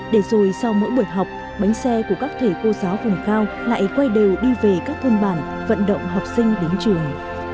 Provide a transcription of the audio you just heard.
để rồi sau mỗi buổi học bánh xe của các thầy cô giáo vùng cao lại quay đều đi về các thôn bản vận động học sinh đến trường